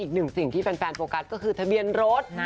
อีกหนึ่งสิ่งที่แฟนโฟกัสก็คือทะเบียนรถ